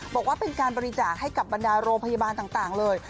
บอกว่าเป็นการบริจาคให้กับบรรดาโรงพยาบาลต่างเลย